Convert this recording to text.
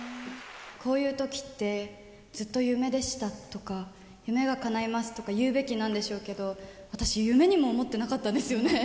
こういうときって、ずっと夢でしたとか、夢がかないますとか言うべきなんでしょうけど、私、夢にも思ってなかったんですよね。